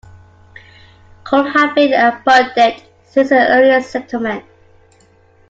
Coal had been an abundant since its earliest settlement.